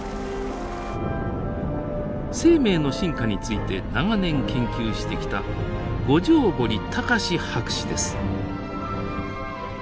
生命の進化について長年研究してきた五條堀孝博士です。